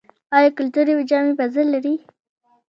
آیا کلتوري جامې بازار لري؟